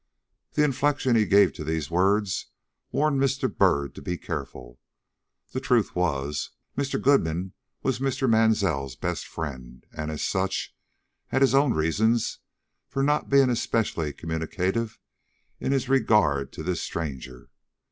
The inflection he gave to these words warned Mr. Byrd to be careful. The truth was, Mr. Goodman was Mr. Mansell's best friend, and as such had his own reasons for not being especially communicative in his regard, to this stranger.